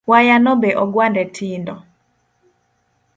Wayano be ogwande tindo